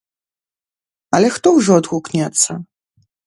Але хто ўжо адгукнецца.